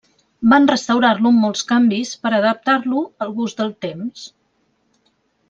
Van restaurar-lo amb molts canvis per adaptar-lo al gust del temps.